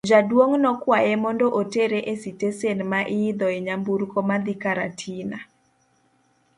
Jaduong' nokwaye mondo otere e sitesen ma iidho e nyamburko madhi Karatina.